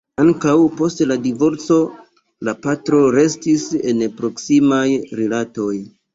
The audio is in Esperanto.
Ankaŭ post la divorco la paro restis en proksimaj rilatoj.